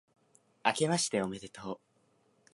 明けましておめでとう